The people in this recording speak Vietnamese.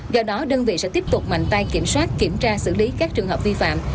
do đó đơn vị sẽ tiếp tục mạnh tay kiểm soát kiểm tra xử lý các trường hợp vi phạm